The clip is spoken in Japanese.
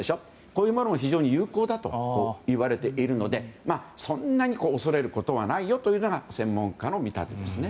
こういうものも非常に有効だといわれているのでそんなに恐れることはないよというのが専門家の見立てです。